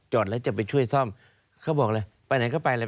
แล้วจะไปช่วยซ่อมเขาบอกเลยไปไหนก็ไปเลย